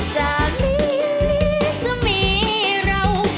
จากนี้จะมีเรา